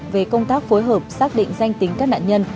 về công tác phối hợp xác định danh tính các nạn nhân